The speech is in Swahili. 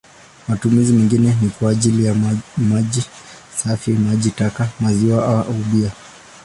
Matumizi mengine ni kwa ajili ya maji safi, maji taka, maziwa au bia.